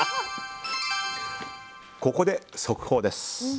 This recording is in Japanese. ここで速報です。